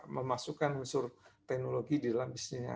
memasukkan unsur teknologi di dalam bisnisnya